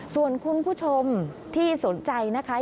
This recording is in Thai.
ส่วนคุณผู้ชมที่สนใจนะคะ